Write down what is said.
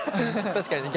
確かにね。